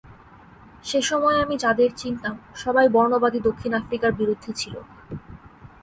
সে সময় আমি যাঁদের চিনতাম, সবাই বর্ণবাদী দক্ষিণ আফ্রিকার বিরুদ্ধে ছিল।